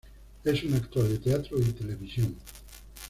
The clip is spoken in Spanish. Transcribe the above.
Es un actor de teatro y televisión.